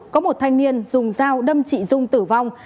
có một thanh niên dùng dao đâm chị dung tử vong